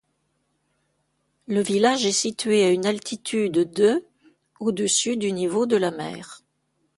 Le village est situé à une altitude de au-dessus du niveau de la mer.